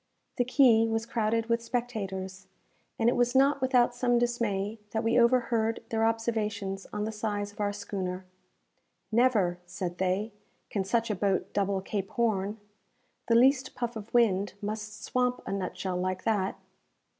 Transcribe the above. The quay was crowded with spectators, and it was not without some dismay that we overheard their observations on the size of our schooner. "Never," said they, "can such a boat double Cape Horn. The least puff of wind must swamp a nutshell like that!"